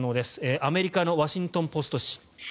アメリカのワシントン・ポスト紙。